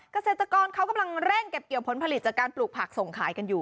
เกษตรกรเขากำลังเร่งเก็บเกี่ยวผลผลิตจากการปลูกผักส่งขายกันอยู่